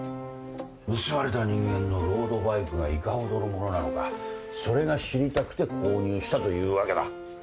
盗まれた人間のロードバイクがいかほどの物なのかそれが知りたくて購入したというわけだ。